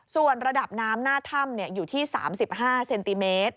ส่วนระดับน้ำหน้าถ้ำอยู่ที่๓๕เซนติเมตร